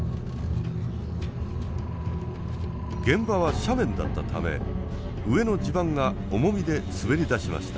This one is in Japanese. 現場は斜面だったため上の地盤が重みで滑り出しました。